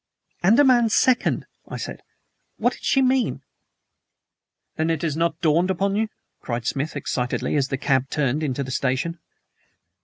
"ANDAMAN SECOND," I said. "What did she mean?" "Then it has not dawned upon you?" cried Smith excitedly, as the cab turned into the station.